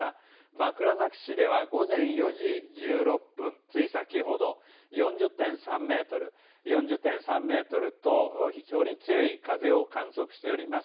枕崎市では午前４時１６分つい先ほど、４０．３メートル４０．３メートルと非常に強い風を観測しております。